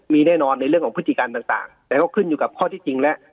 มีแน่นอนในเรื่องของพฤติการต่างแต่ก็ขึ้นอยู่กับข้อที่จริงแล้ว